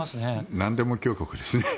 なんでも強国ですね。